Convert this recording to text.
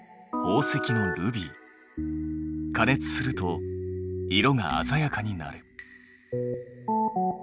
加熱すると色があざやかになる。